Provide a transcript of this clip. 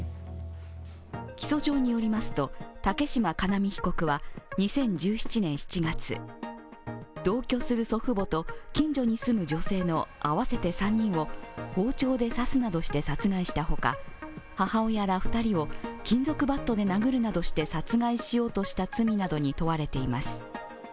起訴状によりますと竹島叶実被告は２０１７年７月同居する祖父母と近所に住む女性の合わせて３人を包丁で刺すなどして殺害したほか母親ら２人を金属バットで殴るなどして殺害しようとした罪などに問われています。